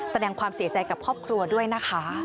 แสดงความเสียใจกับครอบครัวด้วยนะคะ